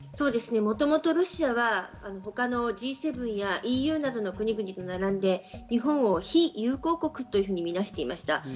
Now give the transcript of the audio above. もともとロシアは他のＧ７やＥＵなどの国々と並んで日本を非友好国というふうに見なしていました。